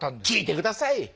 聞いてください！